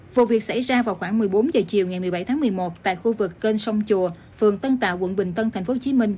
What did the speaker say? vụ việc xảy ra vào khoảng một mươi bốn h chiều ngày một mươi bảy tháng một mươi một tại khu vực kênh sông chùa phường tân tạo quận bình tân tp hcm